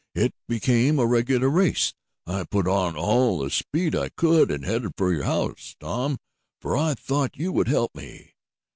It became a regular race. I put on all the speed I could and headed for your house, Tom, for I thought you would help me.